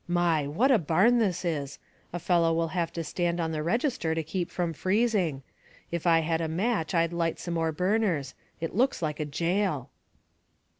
My ! what a barn this is ; a fellow will have to stand on the register to keep from freezing. If I had a match I'd light some more burners. It looks like a jail."